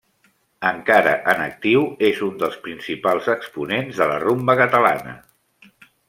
Encara en actiu, és un dels principals exponents de la rumba catalana.